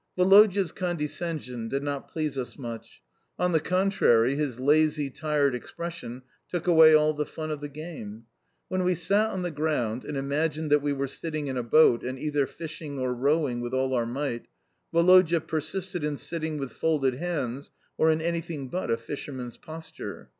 Woloda's condescension did not please us much. On the contrary, his lazy, tired expression took away all the fun of the game. When we sat on the ground and imagined that we were sitting in a boat and either fishing or rowing with all our might, Woloda persisted in sitting with folded hands or in anything but a fisherman's posture.